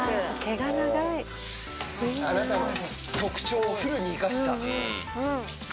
あなたの特徴をフルに生かした。